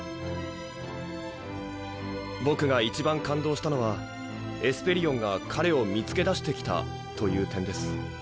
僕が一番感動したのはエスペリオンが彼を見つけ出してきたという点です。